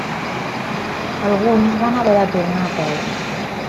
Alguns van haver de tornar a peu.